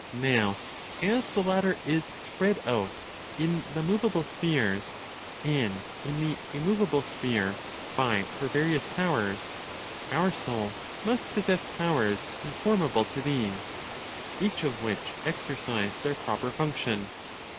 Now as the latter is spread out in the movable spheres and in the immovable sphere by her various powers, our soul must possess powers conformable to these, each of which exercise their proper function.